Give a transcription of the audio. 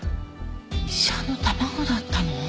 医者の卵だったの？